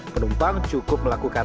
penumpang cukup melakukan